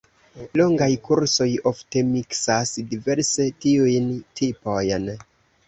Longaj kursoj ofte miksas diverse tiujn tipojn.